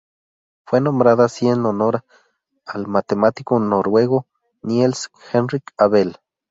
Fue nombrada así en honor al matemático noruego Niels Henrik Abel.